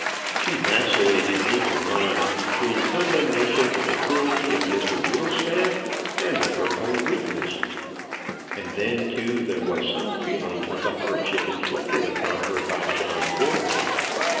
She vacillated in her mind between condemnation of the cruelty of Mr Whittlestaff and of her own weakness. And then, too, there was some feeling of the hardship inflicted upon her by John Gordon.